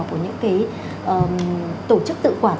của những cái tổ chức tự quản